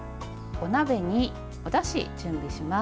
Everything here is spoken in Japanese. お鍋におだしを準備します。